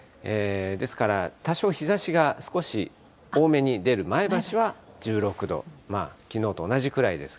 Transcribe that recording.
ですから、多少日ざしが少し多めに出る前橋は１６度、きのうと同じくらいです。